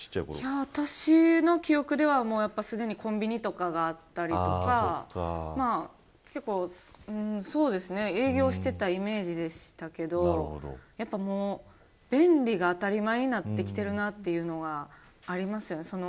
私の記憶ではすでにコンビニがあったりとか営業していたイメージでしたけどやっぱり便利が当たり前になってきているなというのがあります。